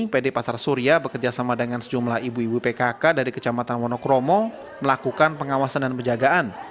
pd pasar surya bekerjasama dengan sejumlah ibu ibu pkk dari kecamatan wonokromo melakukan pengawasan dan penjagaan